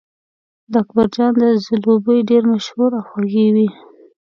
د اکبرجان ځلوبۍ ډېرې مشهورې او خوږې وې.